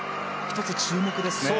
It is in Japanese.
１つ、注目ですね。